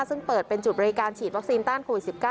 ซึ่งเปิดเป็นจุดบริการฉีดวัคซีนต้านโควิด๑๙